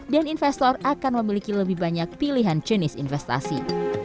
dan investor akan memiliki lebih banyak pilihan jenis investasi